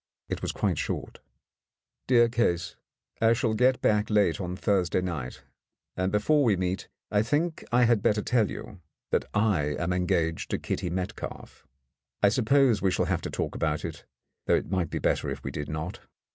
It was quite short. "Dear Case, — I shall get back late on Thursday night, and before we meet I think I had better tell you that I am engaged to Kitty Metcalf. I suppose we shall have to talk about it, though it might be better if we did not.